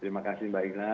terima kasih mbak ila